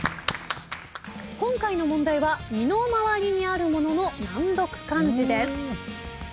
今回の問題は身の回りにあるものの難読漢字です。